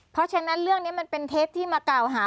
เพราะฉะนั้นเรื่องนี้มันเป็นเท็จที่มากล่าวหา